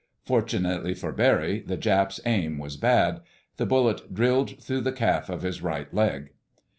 Fortunately for Barry the Jap's aim was bad. The bullet drilled through the calf of his right leg.